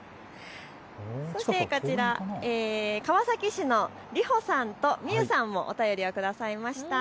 そしてこちら、川崎市のみほさんとみゆさんもお便りをくださいました。